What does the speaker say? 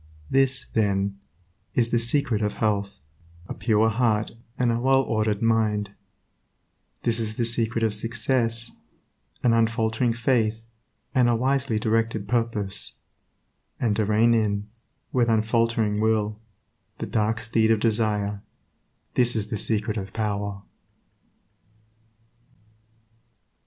This, then, is the secret of health, a pure heart and a well ordered mind ; this is the secret of success, an unfaltering faith, and a wisely directed purpose; and to rein in, with unfaltering will, the dark steed of desire, this is the secret of power.